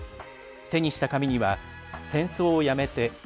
手にした紙には「戦争をやめて。